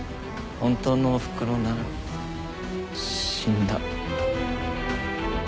本当のおふくろなら死んだ。